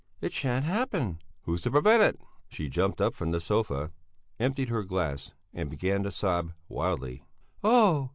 "It shan't happen!" "Who's to prevent it?" She jumped up from the sofa, emptied her glass and began to sob wildly. "Oh!